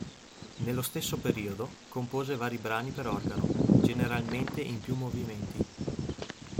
Nello stesso periodo compose vari brani per organo, generalmente in più movimenti.